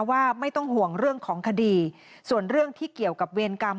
ว่าไม่ต้องห่วงเรื่องของคดีส่วนเรื่องที่เกี่ยวกับเวรกรรม